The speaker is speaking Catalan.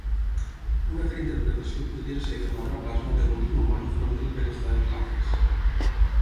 Una altra interpretació podria ser que l'obra plasma l'egoisme humà enfront del benestar dels altres.